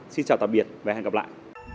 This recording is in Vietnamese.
xin chào tạm biệt và hẹn gặp lại